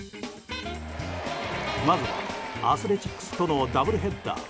まずは、アスレチックスとのダブルヘッダー。